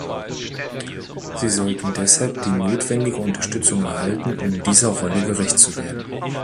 Sie sollten deshalb die notwendige Unterstützung erhalten, um dieser Rolle gerecht zu werden.